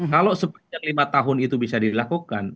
kalau sepanjang lima tahun itu bisa dilakukan